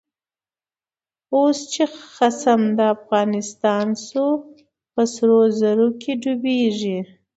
اوس چه خصم دافغان شو، په سرو زرو کی ډوبیږی